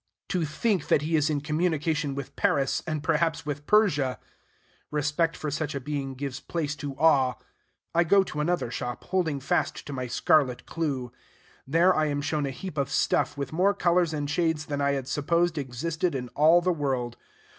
To think that he is in communication with Paris, and perhaps with Persia! Respect for such a being gives place to awe. I go to another shop, holding fast to my scarlet clew. There I am shown a heap of stuff, with more colors and shades than I had supposed existed in all the world.